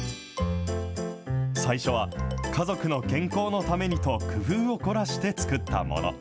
最初は家族の健康のためにと工夫を凝らして作ったもの。